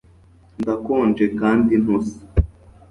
ndakonje kandi ntose